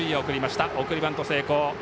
送りバント成功。